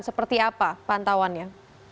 seperti apa pantauannya